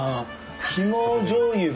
肝じょうゆで？